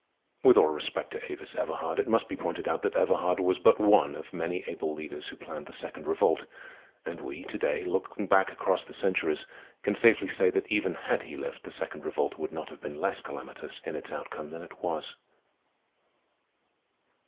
With all respect to Avis Everhard, it must be pointed out that Everhard was but one of many able leaders who planned the Second Revolt. And we to day, looking back across the centuries, can safely say that even had he lived, the Second Revolt would not have been less calamitous in its outcome than it was.